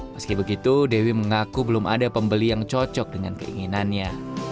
meski begitu dewi mengaku belum ada pembeli yang cocok dengan keinginannya